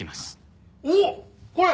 おっこれ！